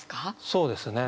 そうですね。